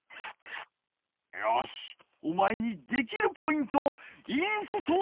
よしおまえにできるポイントをインストールじゃ！